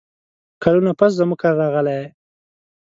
کلونه پس زموږ کره راغلې یې !